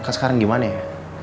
meka sekarang gimana ya